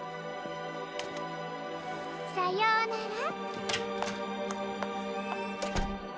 さようなら。